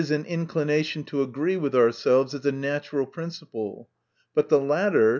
an inclination to agree with ourselves) is a natural principle : but the latter (i.